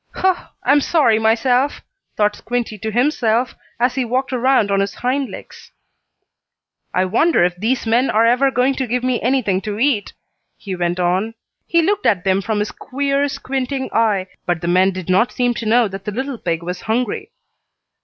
"Hu! I'm sorry myself!" thought Squinty to himself, as he walked around on his hind legs. "I wonder if these men are ever going to give me anything to eat," he went on. He looked at them from his queer, squinting eye, but the men did not seem to know that the little pig was hungry.